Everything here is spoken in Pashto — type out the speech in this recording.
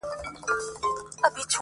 مڼه ژېړه ده.